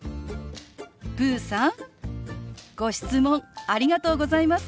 ぷうさんご質問ありがとうございます！